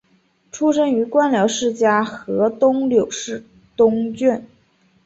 出生于官僚世家河东柳氏东眷。